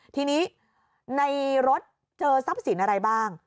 ทีนี้ในรถเจอทรัพย์สินอะไรบ้าง